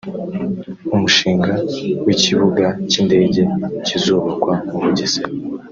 umushinga w’ikibuga cy’indege kizubakwa mu Bugesera